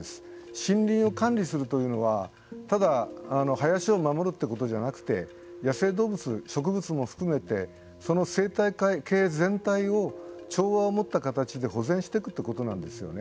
森林を管理するというのはただ林を守るということじゃなくて野生動物、植物も含めてその生態系全体を調和を持った形で保全していくということなんですよね。